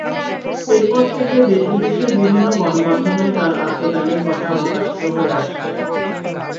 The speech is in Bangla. এরপর থেকে দেশ-বিদেশের বিভিন্ন গণমাধ্যমে তাঁর আত্মত্যাগের কথা প্রকাশিত হয়ে আসছে।